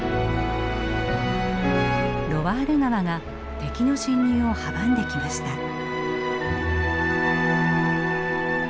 ロワール川が敵の侵入を阻んできました。